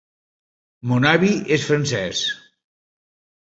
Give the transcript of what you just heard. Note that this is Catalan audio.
Mon avi és francés.